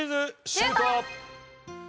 シュート！